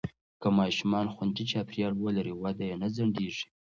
که ماشومان خوندي چاپېریال ولري، وده یې نه ځنډېږي.